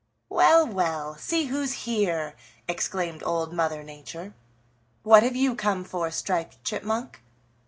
"Well, well! See who's here!" exclaimed Old Mother Nature. "What have you come for, Striped Chipmunk?"